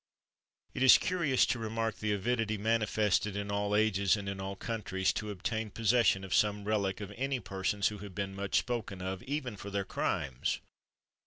It is curious to remark the avidity manifested in all ages, and in all countries, to obtain possession of some relic of any persons who have been much spoken of, even for their crimes.